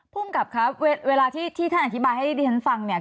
ภูมิกับครับเวลาที่ท่านอธิบายให้ดิฉันฟังเนี่ย